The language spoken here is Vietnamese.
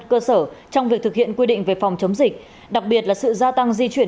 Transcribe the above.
cơ sở trong việc thực hiện quy định về phòng chống dịch đặc biệt là sự gia tăng di chuyển